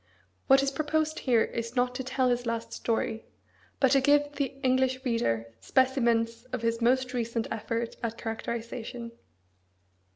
What is proposed here is not to tell his last story, but to give the English reader specimens of his most recent effort at characterisation.